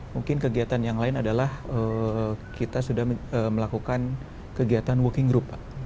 mungkin kegiatan yang lain adalah kita sudah melakukan kegiatan working group pak